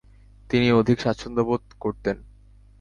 তিনি অধিক স্বাচ্ছন্দ্যবোধ করতেন।